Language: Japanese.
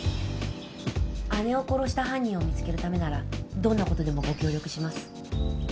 姉を殺した犯人を見つけるためならどんなことでもご協力します